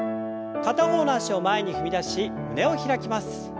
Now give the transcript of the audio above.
片方の脚を前に踏み出し胸を開きます。